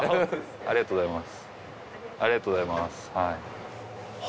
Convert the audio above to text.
ありがとうございます。